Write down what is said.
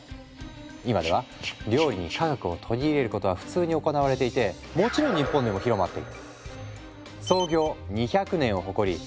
今では料理に科学を取り入れることは普通に行われていてもちろん日本でも広まっている。